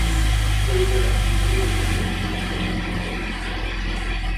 — Благодаря, не ми се ще да влизам вече в подземия.